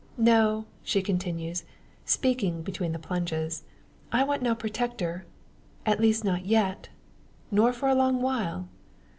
"No," she continues, speaking between the plunges, "I want no protector at least not yet nor for a long while."